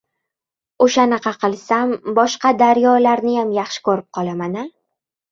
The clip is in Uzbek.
— O‘shanaqa qilsam, boshqa daryolarniyam yaxshi ko‘rib qolaman-a?